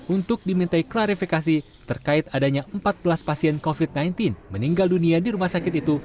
untuk dimintai klarifikasi terkait adanya empat belas pasien covid sembilan belas meninggal dunia di rumah sakit itu